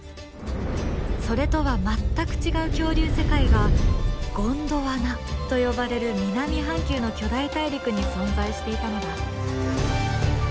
それとは全く違う恐竜世界が「ゴンドワナ」と呼ばれる南半球の巨大大陸に存在していたのだ。